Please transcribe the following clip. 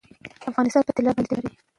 افغانستان په طلا باندې تکیه لري.